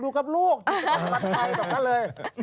อยู่กับใครแบบนั้นเลย